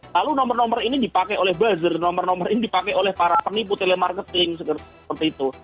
lalu nomor nomor ini dipakai oleh buzzer nomor nomor ini dipakai oleh para penipu telemarketing seperti itu